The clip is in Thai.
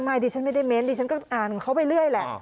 ดิฉันไม่ได้เม้นดิฉันก็อ่านเขาไปเรื่อยแหละ